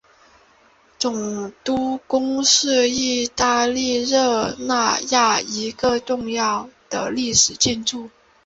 总督宫是意大利热那亚一座重要的历史建筑。